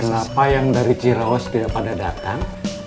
kenapa yang dari cirawas tidak pada datang